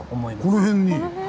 この辺に。